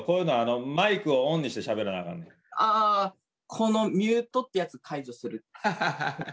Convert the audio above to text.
この「ミュート」ってやつ解除する。